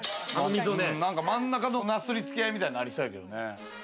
真ん中のなすりつけ合いみたいになりそうやけどね。